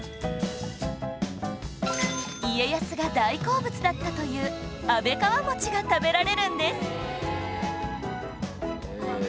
家康が大好物だったという安倍川餅が食べられるんです